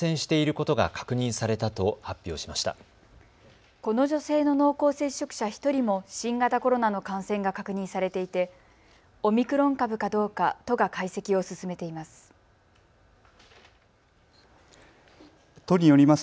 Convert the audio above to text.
この女性の濃厚接触者１人も新型コロナの感染が確認されていてオミクロン株かどうか都が解析を進めています。